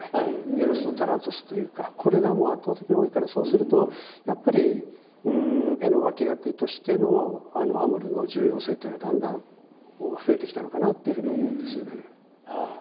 エロスとタナトスというかこれがもう圧倒的に多いからそうするとやっぱり絵の脇役としてのアモルの重要性っていうのがだんだん増えてきたのかなっていうふうに思うんですよね。